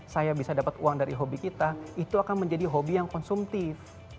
saya bisa dapat uang dari hobi kita itu akan menjadi hobi yang konsumtif